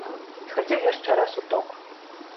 Схадзіў яшчэ раз у ток.